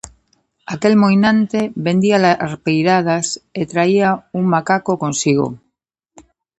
Aquel moinante vendía larpeiradas e traía un macaco consigo.